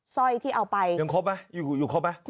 ร้อยที่เอาไปยังครบไหมอยู่ครบไหม